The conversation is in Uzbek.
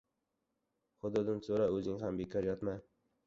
• Xudodan so‘ra, o‘zing ham bekor yotma.